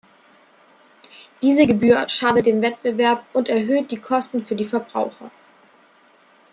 Diese Gebühr schadet dem Wettbewerb und erhöht die Kosten für die Verbraucher.